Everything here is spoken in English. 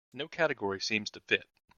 No category seems to fit.